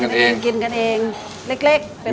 ทำกันเองเก็บกินกันเองเล็กเป็นครอบครัว